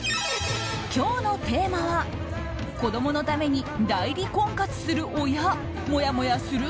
今日のテーマは子どものために代理婚活する親もやもやする？